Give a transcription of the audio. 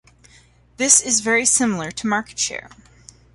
This is very similar to market share.